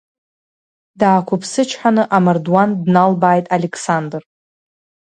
Даақәыԥсычҳаны амардуан дналбааит Алеқсандр.